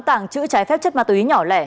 tàng trữ trái phép chất ma túy nhỏ lẻ